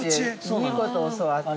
いいことを教わった。